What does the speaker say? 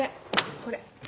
これ。